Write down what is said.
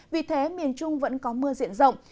vì thế miền trung vẫn có mưa diện rộng